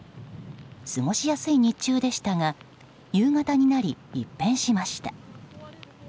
過ごしやすい日中でしたが夕方になり一変しました。